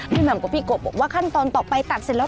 แหม่มกับพี่กบบอกว่าขั้นตอนต่อไปตัดเสร็จแล้ว